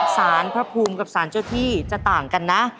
สารพระภูมิกับสารเจ้าที่จะต่างกันนะ